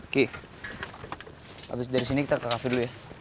ki abis dari sini kita ke cafe dulu ya